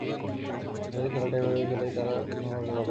নিজেদের খেলাটা ভালোভাবে খেলেই তারা প্রথম রাউন্ডের বাধা পেরোয়।